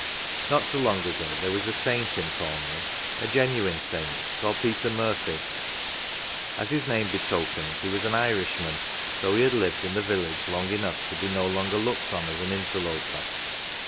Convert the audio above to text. Not so long ago there was a saint in Thornleigh a genuine saint, called Peter Murphy. As his name betokens, he was an Irishman, though he had lived in the village long enough to be no longer looked on as an 49 D CELEBRITIES interloper.